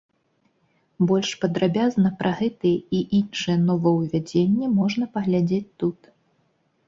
Больш падрабязна пра гэтыя і іншыя новаўвядзенні можна паглядзець тут.